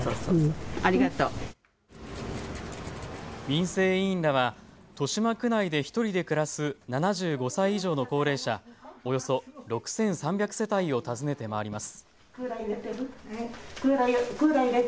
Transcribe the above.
民生委員らは豊島区内で１人で暮らす７５歳以上の高齢者、およそ６３００世帯を訪ねて回ります。